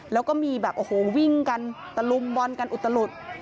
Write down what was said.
แล้วก็มีแบบโอ้โหวิ่งกันตะลุมบอลกันอุตลุด